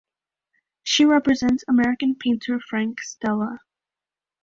She represents American painter Frank Stella.